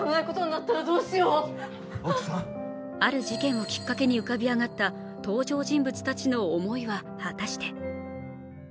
ある事件をきっかけに浮かび上がった登場人物たちの思いは果たして。